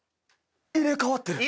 入れ替わってる。